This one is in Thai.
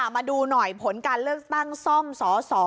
มาดูหน่อยผลการเลือกตั้งซ่อมสส